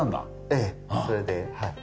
ええそれではい。